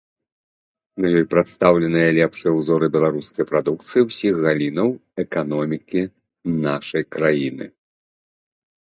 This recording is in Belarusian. На ёй прадстаўленыя лепшыя ўзоры беларускай прадукцыі ўсіх галінаў эканомікі нашай краіны.